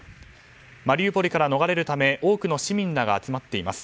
マリウポリから逃れるため多くの市民らが集まっています。